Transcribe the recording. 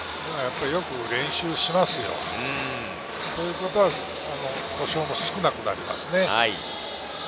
よく練習しますよ。ということは故障も少なくなりますね。